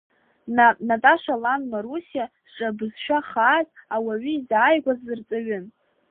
Наташа лан Марусиа, зҿабызшәа хааз, ауаҩы изааигәаз, рҵаҩын.